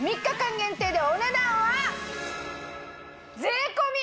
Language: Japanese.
３日間限定でお値段は税込！